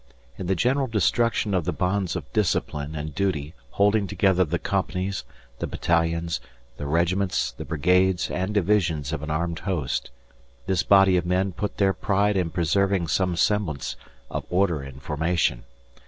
In the general destruction of the bonds of discipline and duty holding together the companies, the battalions, the regiments, the brigades and divisions of an armed host, this body of men put their pride in preserving some semblance of order and formation.